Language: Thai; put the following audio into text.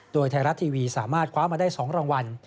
โดยไทยรัฐทีวีสามารถคว้ามาได้๒รางวัล